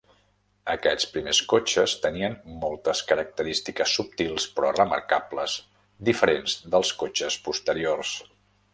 Aquest primers cotxes tenien moltes característiques subtils però remarcables diferents dels cotxes posteriors.